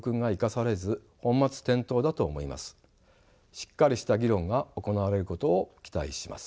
しっかりした議論が行われることを期待します。